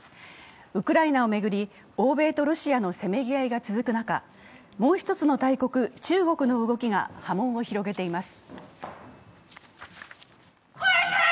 ウクライナを巡り欧米とロシアのせめぎ合いが続く中、もう一つの大国、中国の動きが波紋を広げています。